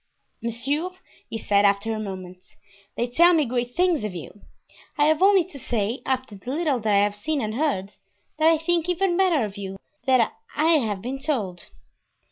"Monsieur," he said, after a moment, "they tell me great things of you. I have only to say, after the little that I have seen and heard, that I think even better of you than I have been told."